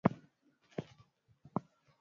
juu ya namna uchaguzi wa nchi hiyo